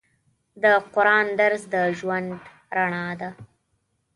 د قرآن درس د ژوند رڼا ده.